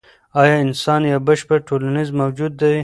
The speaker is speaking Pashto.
ایا انسان یو بشپړ ټولنیز موجود دی؟